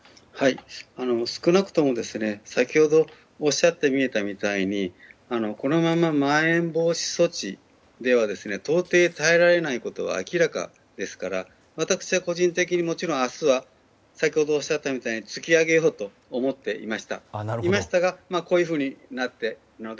少なくとも先ほどおっしゃったみたいにこのまま、まん延防止措置では到底、耐えられないことは明らかですから私は個人的に明日は先ほどおっしゃったように突き上げようと思っていましたがこういうふうになったので。